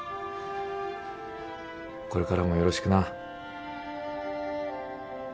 これからもよろしくな。